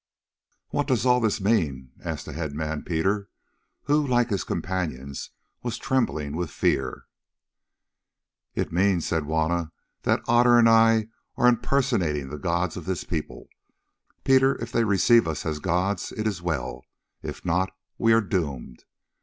"What does all this mean?" asked the headman Peter, who, like his companions, was trembling with fear. "It means," said Juanna, "that Otter and I are impersonating the gods of this people, Peter. If they receive us as gods, it is well; if not, we are doomed.